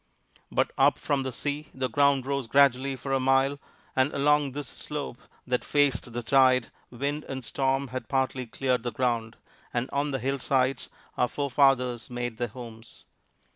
But up from the sea the ground rose gradually for a mile, and along this slope that faced the tide, wind and storm had partly cleared the ground, and on the hillsides our forefathers made their homes.